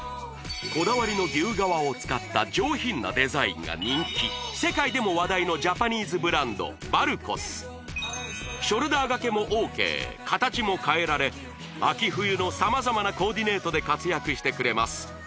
こだわりの牛革を使った上品なデザインが人気世界でも話題のジャパニーズブランドバルコスショルダーがけもＯＫ形も変えられ秋冬の様々なコーディネートで活躍してくれます